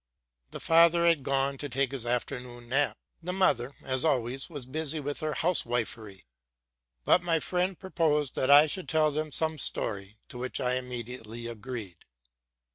The father had gone to take his afternoon nap: the mother, as always, WAS 'busy about her housewifery. But my friend proposed that I should tell them some story, to which I immediately agreed.